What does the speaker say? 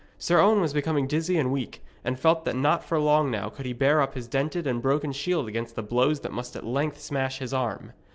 Sir Owen was becoming dizzy and weak, and felt that not for long now could he bear up his dented and broken shield against the blows that must at length smash his arm.